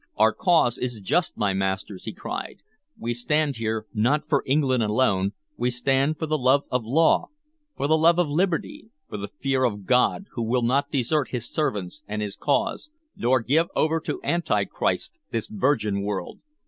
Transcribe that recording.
"Our cause is just, my masters!" he cried. "We stand here not for England alone; we stand for the love of law, for the love of liberty, for the fear of God, who will not desert his servants and his cause, nor give over to Anti Christ this virgin world.